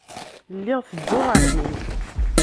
Lliɣ tedduɣ ɣer din.